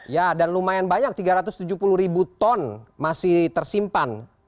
ya dan lumayan banyak tiga ratus tujuh puluh ribu ton masih tersimpan